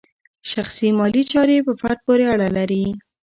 شخصي مالي چارې په فرد پورې اړه لري.